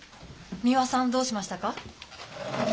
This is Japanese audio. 三輪さんどうしましたか？